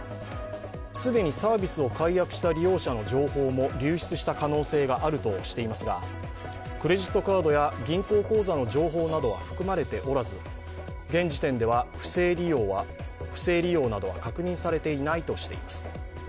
既にサービスを解約した利用者の情報も流出した可能性があるとしていますがクレジットカードや銀行口座の情報などは含まれておらず現時点では不正利用などは確認されていないとしています。